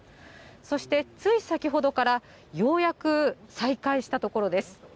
そしてつい先ほどから、ようやく再開したところです。